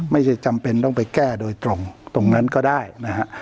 จำเป็นต้องไปแก้โดยตรงตรงนั้นก็ได้นะฮะ